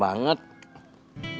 maksudnya dia itu